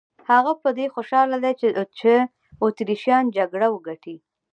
هغه په دې خوشاله دی چې اتریشیان جګړه وګټي.